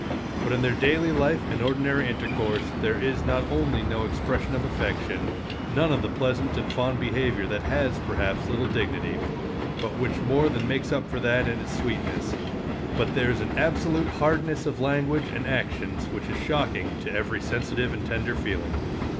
But in their daily life and ordinary intercourse there is not only no expression of affection, none of the pleasant and fond behavior that has, perhaps, little dignity, but which more than makes up for that in its sweetness, but there is an absolute hardness of language and actions which is shocking to every sensitive and tender feeling.